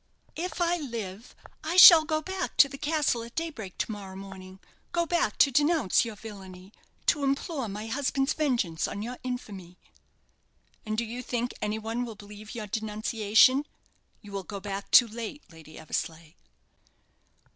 "If I live, I shall go back to the castle at daybreak to morrow morning go back to denounce your villany to implore my husband's vengeance on your infamy!" "And do you think any one will believe your denunciation? You will go back too late Lady Eversleigh."